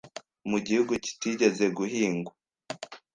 mu gihugu kitigeze guhingwa